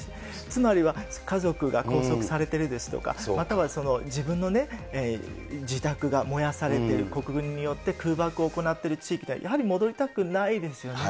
つまりは家族が拘束されているですとか、または自分のね、自宅が燃やされている、国軍によって空爆を行っている地域である、やはり戻りたくないですよね。